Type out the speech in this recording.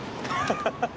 ハハハハ。